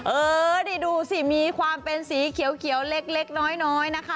เออดิดูสิมีความเป็นสีเขียวเขียวเล็กเล็กน้อยน้อยนะคะ